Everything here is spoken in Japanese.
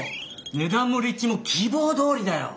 値段も立地も希望どおりだよ。